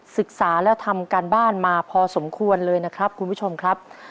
ศึกษาแล้วทำการบ้านมาพอสมควรเลยนะครับคุณผู้ชมครับ